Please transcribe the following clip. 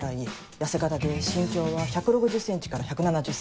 痩せ形で身長は１６０ｃｍから１７０ｃｍ。